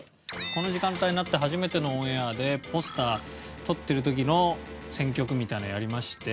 この時間帯になって初めてのオンエアでポスター撮ってる時の選曲みたいなのやりまして。